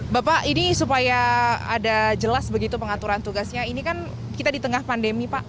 bapak ini supaya ada jelas begitu pengaturan tugasnya ini kan kita di tengah pandemi pak